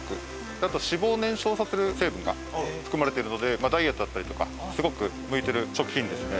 あと脂肪を燃焼させる成分が含まれているのでダイエットだったりとかスゴく向いてる食品ですね